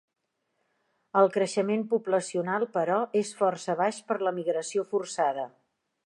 El creixement poblacional, però, és força baix per l'emigració forçada.